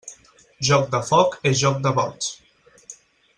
Joc de foc és joc de boig.